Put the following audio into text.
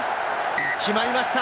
決まりました！